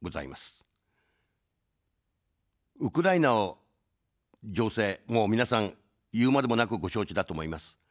ウクライナを、情勢、もう皆さん、言うまでもなくご承知だと思います。